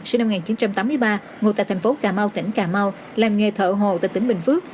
sinh năm một nghìn chín trăm tám mươi ba ngụ tại thành phố cà mau tỉnh cà mau làm nghề thợ hồ tại tỉnh bình phước